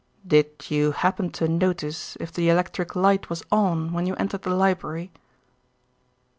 "Did you happen to notice if the electric light was on when you entered the library?"